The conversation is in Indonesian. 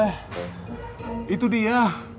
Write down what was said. eh itu dia